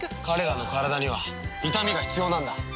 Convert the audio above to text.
彼らの体には痛みが必要なんだ。